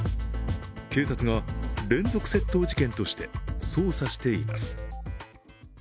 警察が連続窃盗事件として捜査しています。